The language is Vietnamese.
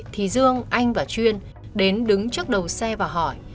thì dương anh và chuyên đến đứng trước đầu xe và hỏi